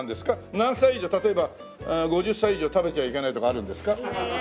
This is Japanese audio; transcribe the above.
何歳以上例えば５０歳以上食べちゃいけないとかあるんですか？